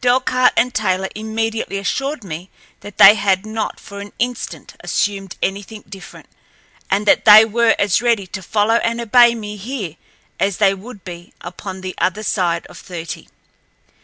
Delcarte and Taylor immediately assured me that they had not for an instant assumed anything different, and that they were as ready to follow and obey me here as they would be upon the other side of thirty.